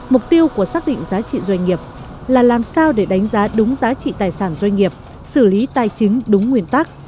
mục tiêu của xác định giá trị doanh nghiệp là làm sao để đánh giá đúng giá trị tài sản doanh nghiệp xử lý tài chính đúng nguyên tắc